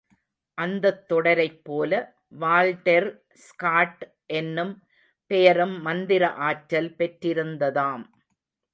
அந்தத் தொடரைப்போல, Walter Scott என்னும் பெயரும் மந்திர ஆற்றல் பெற்றிருந்ததாம்.